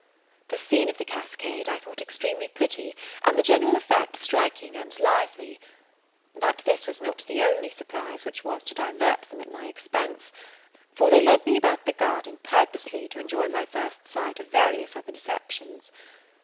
The scene of the cascade I thought extremely pretty, and the general effect striking and lively. But this was not the only surprise which was to divert them at my expense; for they led me about the garden purposely to enjoy my first sight of various other deceptions.